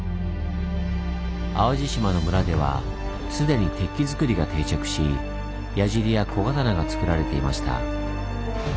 淡路島のムラでは既に鉄器づくりが定着し矢じりや小刀がつくられていました。